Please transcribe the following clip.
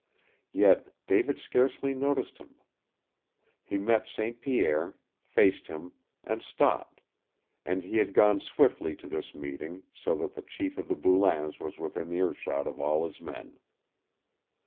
Yet, David scarcely noticed him. He met St. Pierre, faced him, and stopped and he had gone swiftly to this meeting, so that the chief of the Boulains was within earshot of all his men.